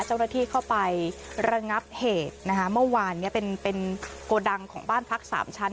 เจ้าหน้าที่เข้าไประงับเหตุนะคะเมื่อวานเนี้ยเป็นเป็นโกดังของบ้านพักสามชั้น